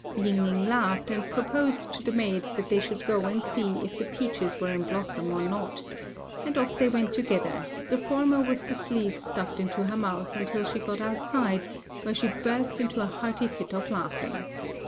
Ying ning laughed, and proposed to the maid that they should go and see if the peaches were in blossom or not; and off they went together, the former with her sleeve stuffed into her mouth until she got outside, where she burst into a hearty fit of laughing.